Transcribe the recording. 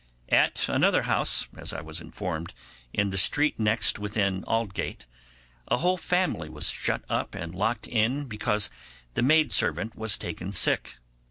At another house, as I was informed, in the street next within Aldgate, a whole family was shut up and locked in because the maid servant was taken sick.